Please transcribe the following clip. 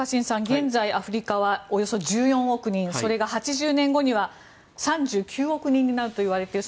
現在、アフリカはおよそ１４億人それが８０年後には３９億人になるといわれている。